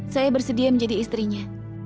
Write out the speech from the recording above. saya bersedia menjadi istrinya